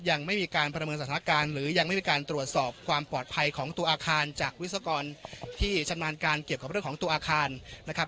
ยังไม่มีการประเมินสถานการณ์หรือยังไม่มีการตรวจสอบความปลอดภัยของตัวอาคารจากวิศกรที่ชำนาญการเกี่ยวกับเรื่องของตัวอาคารนะครับ